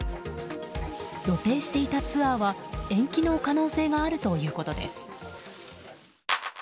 予定していたツアーは延期の可能性があるということです。